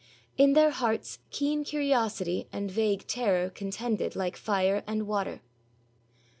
In their hearts keen curiosity and vague terror contended like fire and water.